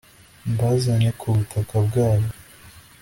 mbazane ku butaka bwabo